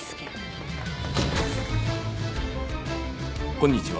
こんにちは。